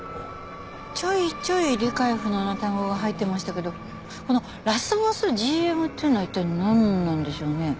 ちょいちょい理解不能な単語が入ってましたけどこの「ラスボスＧＭ」っていうのは一体なんなんでしょうね？